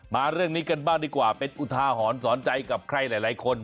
มาเรื่องนี้กันบ้างดีกว่าเป็นอุทาหรณ์สอนใจกับใครหลายคน